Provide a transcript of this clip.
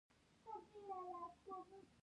حافظه د فرد او ټولنې ګډ خزانه ده.